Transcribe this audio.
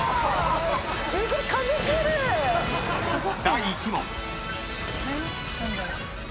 ［第１問］